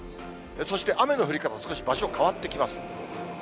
そして雨の降り方、少し場所変わってきます。